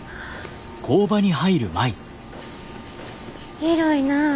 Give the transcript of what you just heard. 広いなぁ。